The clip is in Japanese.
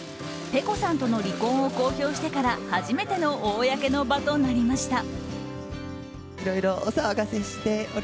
ｐｅｃｏさんとの離婚を公表してから初めての公の場となりました。